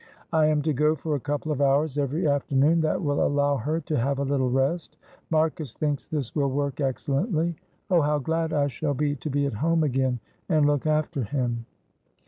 I am to go for a couple of hours every afternoon, that will allow her to have a little rest. Marcus thinks this will work excellently. Oh, how glad I shall be to be at home again and look after him!"